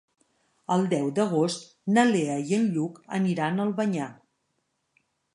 El deu d'agost na Lea i en Lluc aniran a Albanyà.